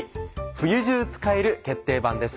冬中使える決定版です。